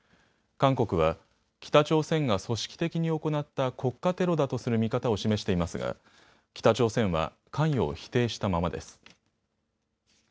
韓国は北朝鮮が組織的に行った国家テロだとする見方を示していますが北朝鮮は関与を否定したままです。